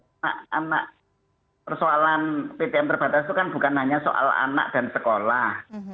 anak anak persoalan ptm terbatas itu kan bukan hanya soal anak dan sekolah